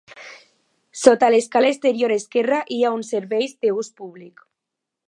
Sota l'escala exterior esquerra hi ha uns serveis d'ús públic.